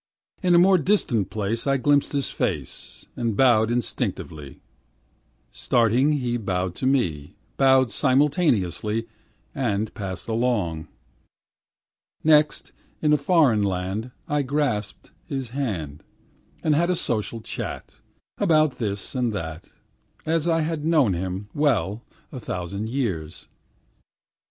In a more distant place I glimpsed his face, And bowed instinctively; Starting he bowed to me, Bowed simultaneously, and passed along. Next, in a foreign land I grasped his hand, And had a social chat, About this thing and that, As I had known him well a thousand years.